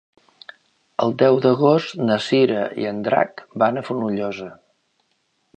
El deu d'agost na Cira i en Drac van a Fonollosa.